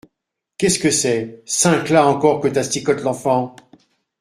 Qu’est-ce que c’est ?… cinq’là encore que t’asticotes l’enfant ?